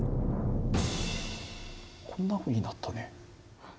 こんなふうになったね。